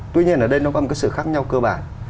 tuy nhiên ở đây nó có một cái sự khác nhau cơ bản